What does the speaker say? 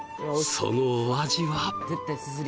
そのお味は？